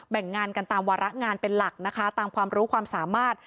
งงานกันตามวาระงานเป็นหลักนะคะตามความรู้ความสามารถ